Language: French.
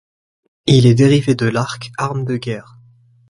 Il est dérivé de l'arc, arme de guerre.